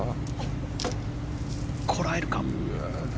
こらえるか。